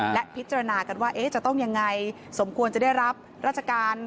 และพิจารณากันว่าจะต้องยังไงสมควรจะได้รับราชการ